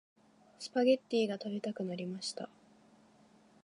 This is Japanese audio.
スパゲッティが食べたくなりました。